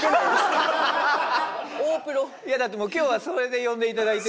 いやだってもう今日はそれで呼んでいただいてるんで。